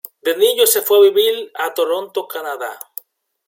De niño se fue a vivir a Toronto, Canadá.